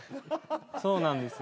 そうなんですよ。